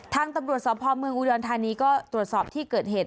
ทางตำรวจสพเมืองอุดรธานีก็ตรวจสอบที่เกิดเหตุ